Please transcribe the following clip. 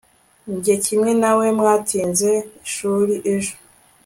njye kimwe nawe mwatinze ishuri ejo